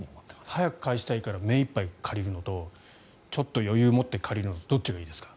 早く返したいから目いっぱい借りるのとちょっと余裕を持って借りるのとどっちがいいですか？